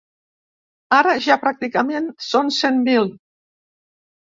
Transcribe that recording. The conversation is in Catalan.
Ara ja pràcticament són cent mil.